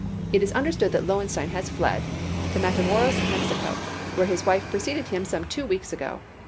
It is understood that Lowenstein has fled to Matamoros, Mexico, where his wife preceded him some two weeks ago.